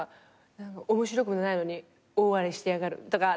「面白くもないのに大笑いしてやがる」とか。